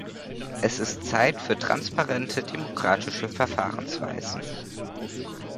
Es ist Zeit für transparente, demokratische Verfahrensweisen.